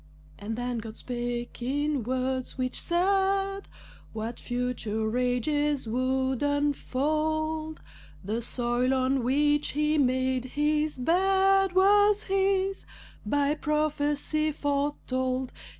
And then God spake in words which said What future ages would unfold, The soil on which he made his bed Was his, by prophecy foretold.